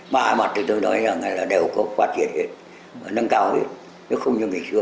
mà ai mặt thì tôi nói là đều có phát triển hết nâng cao hết không như ngày xưa